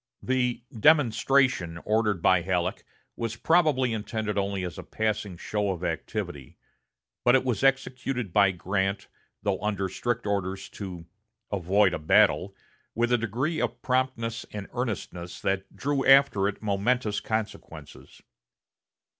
The "demonstration'" ordered by Halleck was probably intended only as a passing show of activity; but it was executed by Grant, though under strict orders to "avoid a battle," with a degree of promptness and earnestness that drew after it momentous consequences.